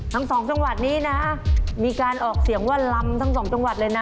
ทั้งสองจังหวัดนี้นะมีการออกเสียงว่าลำทั้งสองจังหวัดเลยนะ